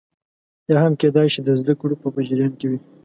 یا هم کېدای شي د زده کړو په جریان کې وي